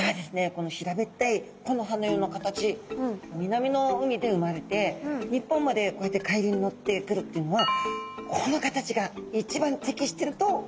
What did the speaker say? この平べったい木の葉のような形南の海で生まれて日本までこうやって海流に乗ってくるっていうのはこの形が一番適していると思われるんですね。